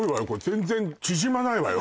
全然縮まないわよ